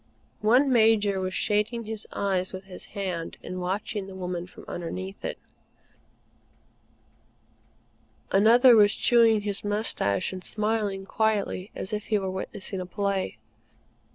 One Major was shading his eyes with his hand and watching the woman from underneath it. Another was chewing his moustache and smiling quietly as if he were witnessing a play.